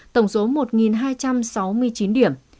tổng số một hai trăm sáu mươi chín điểm